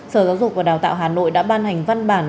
sở giáo dục và đào tạo hà nội đã ban hành văn bản